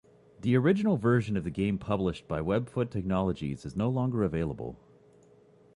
The original version of the game published by Webfoot Technologies is no longer available.